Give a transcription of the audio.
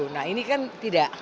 nah ini kan tidak